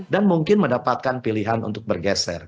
dan mungkin mendapatkan pilihan untuk bergeser